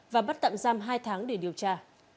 và bắt tạm giam hai tháng để điều tra